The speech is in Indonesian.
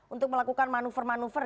untuk melakukan manuver manuver